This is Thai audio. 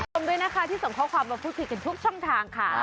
ตรงด้วยนะคะที่ส่งข้อความมาพูดคุยกันทุกช่องทางค่ะ